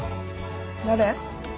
誰？